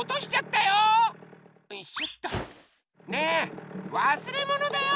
ねえわすれものだよ！